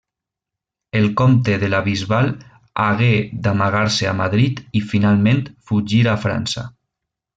El comte de La Bisbal hagué d'amagar-se a Madrid i finalment fugir a França.